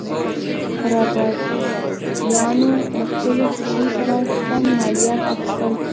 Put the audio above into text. قراردادیانو له خپلې خوښې سره سم مالیات اخیستل.